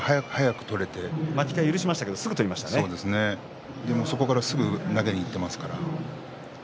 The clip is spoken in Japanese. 巻き替えを許しましたがそこからすぐ投げにいっていますから。